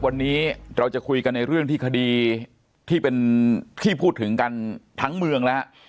วันนี้เราจะคุยกันในเรื่องที่คดีที่เป็นที่พูดถึงกันทั้งเมืองแล้ว